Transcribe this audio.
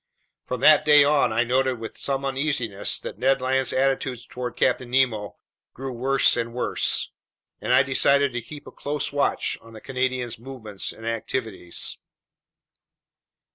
From that day on, I noted with some uneasiness that Ned Land's attitudes toward Captain Nemo grew worse and worse, and I decided to keep a close watch on the Canadian's movements and activities.